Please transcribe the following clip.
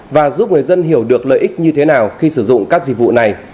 và giúp người dân hiểu được lợi ích như thế nào khi sử dụng các dịch vụ này